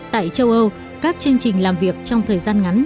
tại châu âu các chương trình làm việc trong thời gian ngắn